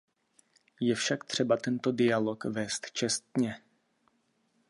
Je však třeba tento dialog vést čestně.